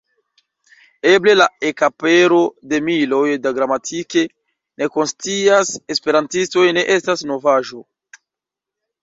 Eble la ekapero de miloj da gramatike nekonsciaj esperantistoj ne estas novaĵo.